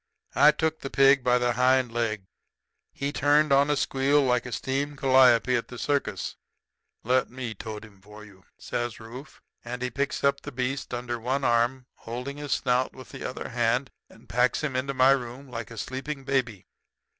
"I took the pig by the hind leg. He turned on a squeal like the steam calliope at the circus. "'Let me tote him in for you,' says Rufe; and he picks up the beast under one arm, holding his snout with the other hand, and packs him into my room like a sleeping baby.